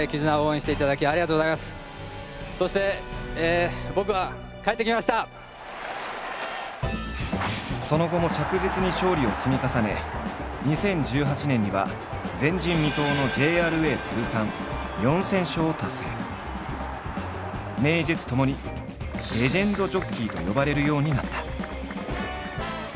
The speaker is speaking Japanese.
そしてその後も着実に勝利を積み重ね２０１８年には名実ともに「レジェンドジョッキー」と呼ばれるようになった。